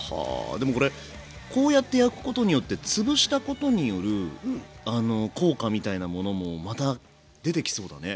でもこれこうやって焼くことによってつぶしたことによる効果みたいなものもまた出てきそうだね。